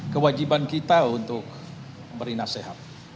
kewajiban kita untuk beri nasihat